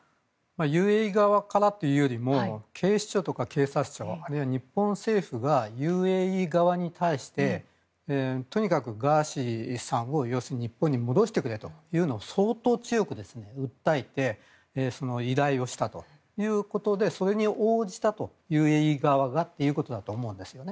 ＵＡＥ側からというよりも警視庁とか警察庁あるいは日本政府がＵＡＥ側に対してとにかくガーシーさんを日本に戻してくれというのを相当強く訴えて依頼をしたということでそれにＵＡＥ側が応じたということだと思うんです。